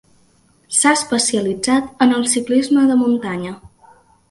S'ha especialitzat en el ciclisme de muntanya.